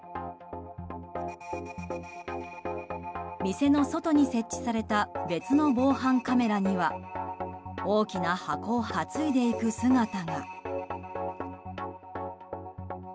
店の外に設置された別の防犯カメラには大きな箱を担いでいく姿が。